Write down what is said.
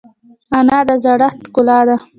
انا د زړښت ښکلا ده